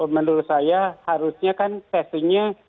menurut saya harusnya kan testingnya